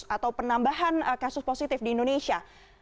atau penambahan kasus positif di indonesia